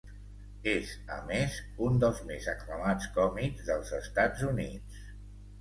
És, a més, un dels més aclamats còmics dels Estats Units.